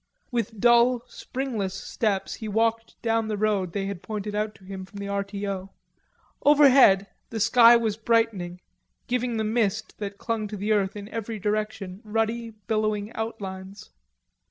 With dull springless steps he walked down the road they had pointed out to him from the R. T. O. Overhead the sky was brightening giving the mist that clung to the earth in every direction ruddy billowing outlines.